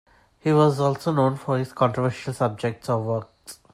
He was also known for his controversial subjects or work.